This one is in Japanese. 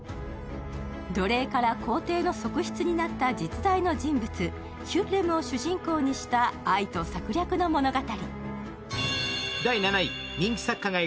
奴隷から皇帝の側室になった実在の人物、ヒュッレムを主人公にした愛と策略の物語。